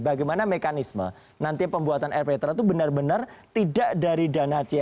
bagaimana mekanisme nanti pembuatan air petra itu benar benar tidak dari dana chal